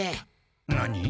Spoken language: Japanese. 何？